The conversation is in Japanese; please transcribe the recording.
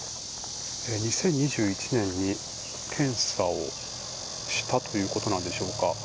２０２１年に検査をしたということなんでしょうか。